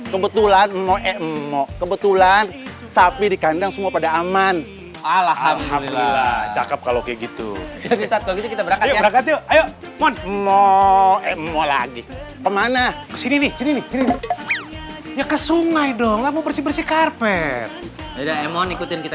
kebetulan mau kebetulan sapi di kandang semua pada aman alhamdulillah cakep